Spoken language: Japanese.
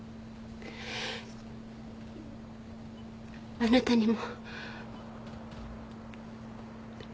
あなたにも。